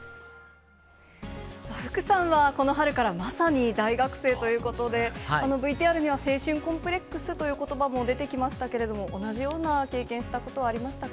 福さんはこの春から、まさに大学生ということで、このＶＴＲには青春コンプレックスということばも出てきましたけれども、同じような経験したことはありましたか？